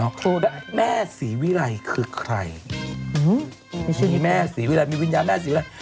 เนาะแม่ศรีวิรัยคือใครมีแม่ศรีวิรัยมีวิญญาณแม่ศรีวิรัย